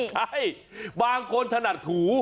ใช่บางคนถนัดถู